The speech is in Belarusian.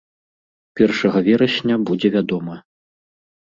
Першага верасня будзе вядома.